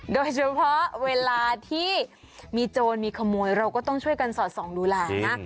โดยเฉพาะเวลาที่มีโจรมีขโมยเราก็ต้องช่วยกันสอดส่องดูแลนะ